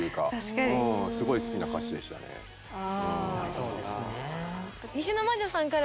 そうですね。